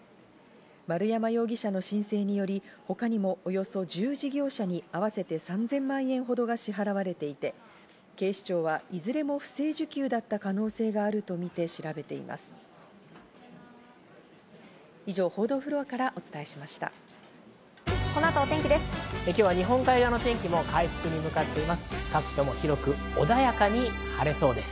丸山容疑者の申請により、他にもおよそ１０事業者に合わせて３０００万円ほどが支払われていて、警視庁はいずれも不正受給だった可能性があるとみて調べています。